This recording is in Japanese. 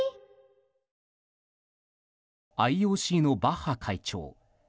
ＩＯＣのバッハ会長。